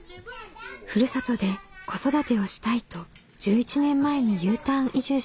ふるさとで子育てをしたいと１１年前にＵターン移住しました。